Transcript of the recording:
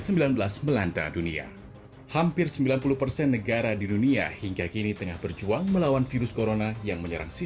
semoga kebelak nanti kita dapat berkumpul kembali